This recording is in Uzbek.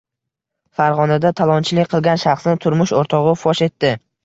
Farg‘onada talonchilik qilgan shaxsni turmush o‘rtog‘i fosh etdi